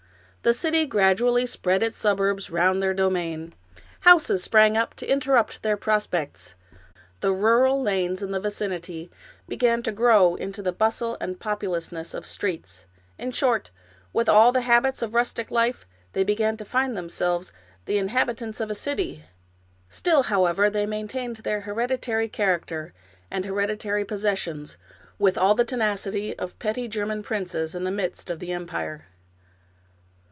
The city gradually spread its suburbs round their domain. Houses sprang up to interrupt their pros pects. The rural lanes in the vicinity began to grow into the bustle and populousness of streets ; in short, with all the habits of rustic life they began to find themselves the inhab itants of a city. Still, however, they maintained their hered itary character and hereditary possessions, with all the tenacity of petty German princes in the midst of the empire.